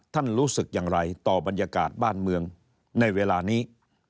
รู้สึกอย่างไรต่อบรรยากาศบ้านเมืองในเวลานี้